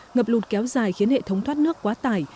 ngập lụt kéo dài khiến hệ thống thoát nước quá tải